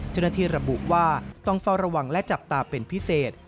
เจ้าหน้าที่ระบุว่าต้องเฝ้าระวังและจับตาเป็นพิเศษ